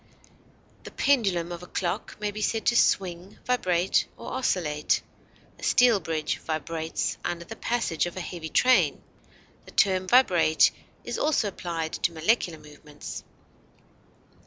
The pendulum of a clock may be said to swing, vibrate, or oscillate; a steel bridge vibrates under the passage of a heavy train; the term vibrate is also applied to molecular movements.